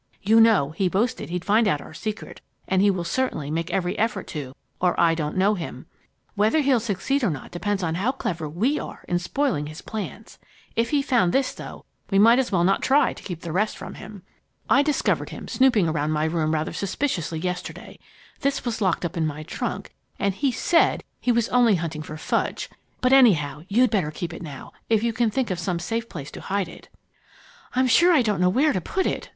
You know, he boasted he'd find out our secret, and he will certainly make every effort to, or I don't know him. Whether he'll succeed or not depends upon how clever we are in spoiling his plans. If he found this, though, we might as well not try to keep the rest from him. I discovered him snooping around my room rather suspiciously yesterday. This was locked up in my trunk, and he said he was only hunting for fudge! But anyhow, you'd better keep it now, if you can think of some safe place to hide it." "I'm sure I don't know where to put it!"